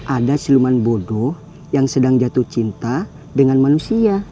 ada siluman bodoh yang sedang jatuh cinta dengan manusia